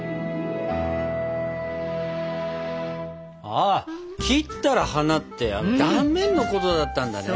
ああ切ったら花って断面のことだったんだね。